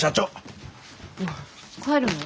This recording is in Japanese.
帰るの？